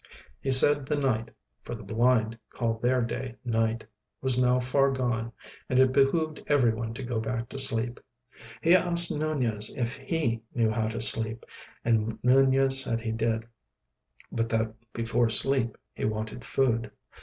He said the night—for the blind call their day night—was now far gone, and it behooved everyone to go back to sleep. He asked Nunez if he knew how to sleep, and Nunez said he did, but that before sleep he wanted food.